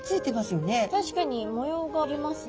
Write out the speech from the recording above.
確かに模様がありますね。